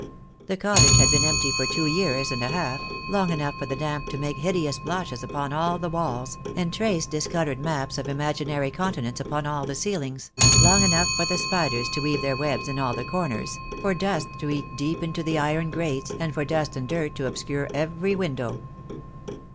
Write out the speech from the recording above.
The cottage had been empty for two years and a half, long enough for the damp to make hideous blotches upon all the walls, and trace discoloured maps of imaginary continents upon all the ceilings; long enough for the spiders to weave their webs in all the corners, for dust to eat deep into the iron grates, and for dust and dirt to obscure every window.